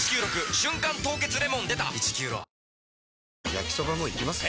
焼きソバもいきます？